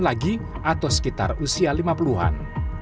lagi atau sekitar usia lima puluh an